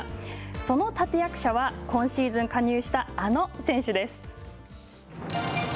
その立て役者は今シーズン加入したあの選手です。